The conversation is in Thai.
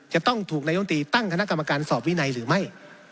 จะต้องถูกนายตรวจแห่งชาติตั้งคณะกรรมการสอบวินัยหรือไม่